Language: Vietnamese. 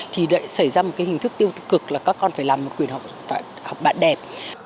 thì lại xảy ra một cái hình thức tiêu cực là các con phải làm một quyền học bạn đẹp